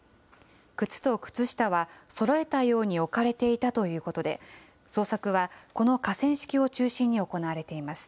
靴と靴下はそろえたように置かれていたということで、捜索はこの河川敷を中心に行われています。